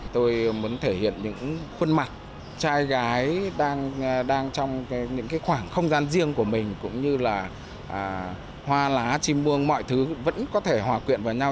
tôi muốn thể hiện những khuôn mặt trai gái đang trong những khoảng không gian riêng của mình cũng như là hoa lá chim buông mọi thứ vẫn có thể hòa quyện vào nhau